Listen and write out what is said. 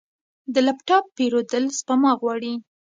د لپ ټاپ پیرودل سپما غواړي.